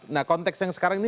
nah konteks yang sekarang ini